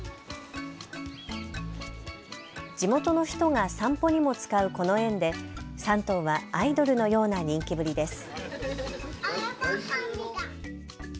地元の人が散歩にも使うこの園で、３頭はアイドルのような人気ぶりです。